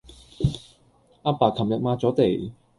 阿爸琴日抹咗地